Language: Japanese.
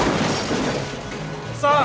さあ。